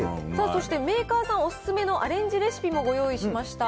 そしてメーカーさんお勧めのアレンジレシピもご用意しました。